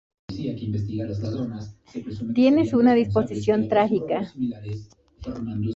Tiene una disposición trágica.